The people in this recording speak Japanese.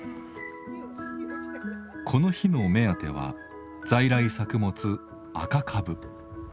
この日の目当ては在来作物「赤かぶ」。